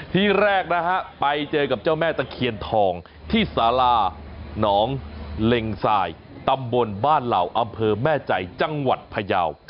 ที่แรกนะฮะไปเจอกับเจ้าแม่ตะเคียนทองที่สาราหนองเล็งสายตำบลบ้านเหล่าอำเภอแม่ใจจังหวัดพยาว